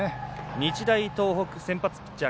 日大東北、先発ピッチャー